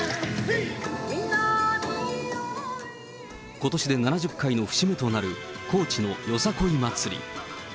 ことしで７０回の節目となる、高知のよさこい祭り。